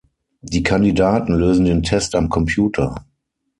Die Kandidaten lösen den Test am Computer.